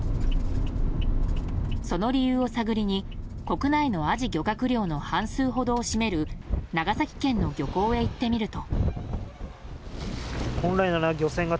その理由を探りに国内のアジ漁獲量の半数ほどを占める長崎県の漁港へ行ってみると。